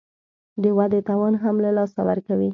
د ودې توان هم له لاسه ورکوي